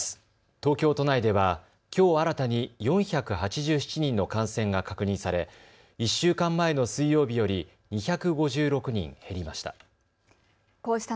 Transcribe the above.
東京都内では、きょう新たに４８７人の感染が確認され１週間前の水曜日より２５６人減りました。